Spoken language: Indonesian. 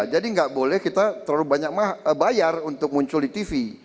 jadi tidak boleh kita terlalu banyak bayar untuk muncul di tv